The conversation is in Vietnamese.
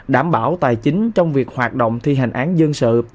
đảm bảo tài chính trong việc hoạt động thi hành án dân sự